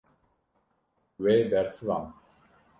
We bersivand.